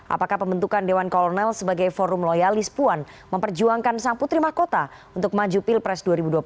apakah pembentukan dewan kolonel sebagai forum loyalis puan memperjuangkan sang putri mahkota untuk maju pilpres dua ribu dua puluh empat